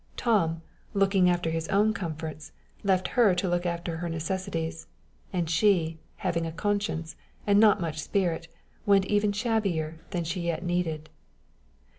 Tom, looking after his own comforts, left her to look after her necessities; and she, having a conscience, and not much spirit, went even shabbier than she yet needed.